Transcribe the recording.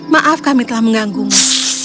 maaf kami telah mengganggumu